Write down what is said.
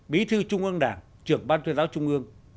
bí thư trung ương đảng trưởng ban tuyên giáo trung ương